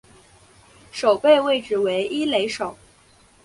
守备位置为一垒手。